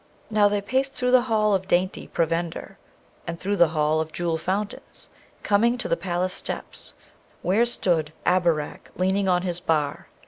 Now, they paced through the hall of dainty provender, and through the hall of the jewel fountains, coming to the palace steps, where stood Abarak leaning on his bar.